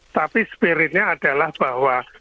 tapi spiritnya adalah bahwa